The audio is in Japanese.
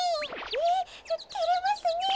えってれますねえ。